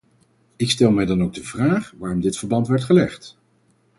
Ik stel mij dan ook de vraag waarom dit verband werd gelegd.